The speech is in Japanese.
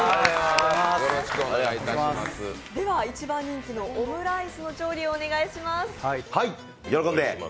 では一番人気のオムライスの調理をお願いします。